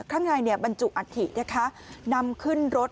ครั้งในบรรจุอัดถินำขึ้นรถ